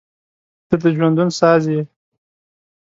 • ته د ژوندون ساز یې.